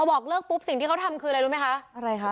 บอกเลิกปุ๊บสิ่งที่เขาทำคืออะไรรู้ไหมคะอะไรคะ